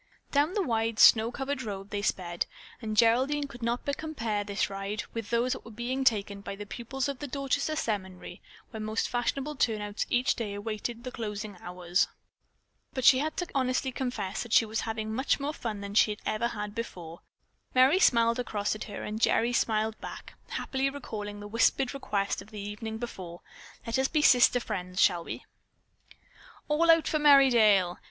Down the wide, snow covered road they sped, and Geraldine could not but compare this ride with those that were being taken by the pupils of the Dorchester Seminary, where most fashionable turnouts each day awaited the closing hours. But she had to honestly confess that she was having much more fun than she ever had before. Merry smiled across at her and Gerry smiled back, happily recalling the whispered request of the evening before: "Let us be sister friends, shall we?" "All out for Merry dale!"